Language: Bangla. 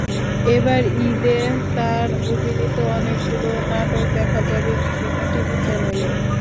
এবার ঈদে তাঁর অভিনীত অনেকগুলো নাটক দেখা যাবে বিভিন্ন টিভি চ্যানেলে।